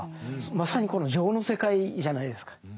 まさにこの情の世界じゃないですか。